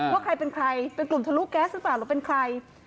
ว่าใครเป็นใครเป็นกลุ่มทะลุแก๊สหรือเปล่าหรือเป็นใคร